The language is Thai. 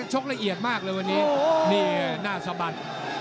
ละเอียดมากเลยวันนี้นี่หน้าสะบัด